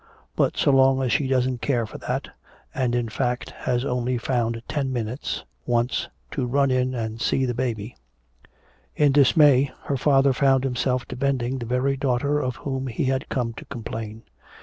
But so long as she doesn't care for that and in fact has only found ten minutes once to run in and see the baby " In dismay her father found himself defending the very daughter of whom he had come to complain.